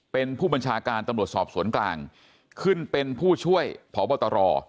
เป็นผู้บัญชาการตำรวจสอบสวนกลางขึ้นเป็นผู้ช่วยพบตร